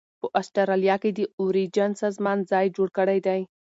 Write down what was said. په اسټرالیا کې د اوریجن سازمان ځای جوړ کړی دی.